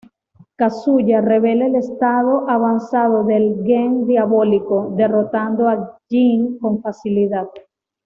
Kazuya revela el estado avanzado del "Gen diabólico", derrotando a Jin con facilidad.